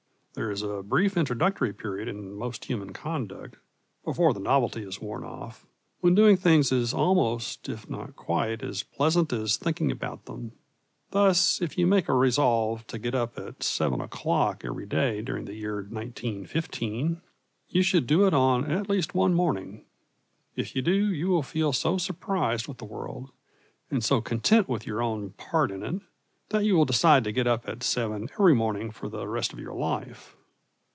There is a brief introductory period in most human conduct, before the novelty has worn off, when doing things is almost, if not quite, as pleasant as thinking about them. Thus, if you make a resolve to get up at seven o'clock every day during the year 1915, you should do it on at least one morning. If you do, you will feel so surprised with the world, and so content with your own part in it, that you will decide to get up at seven every morning for the rest of your life.